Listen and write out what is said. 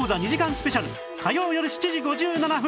スペシャル火曜よる７時５７分